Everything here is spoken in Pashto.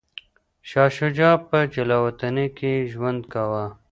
شاه شجاع په جلاوطنۍ کي ژوند کاوه.